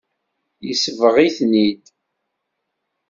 Yesbeɣ-iten-id.